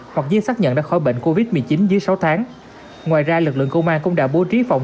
hoặc dưới xác nhận đã khỏi bệnh covid một mươi chín dưới sáu tháng